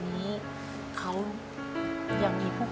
ว้าว